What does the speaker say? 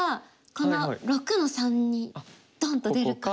この６の三にドンと出るかで。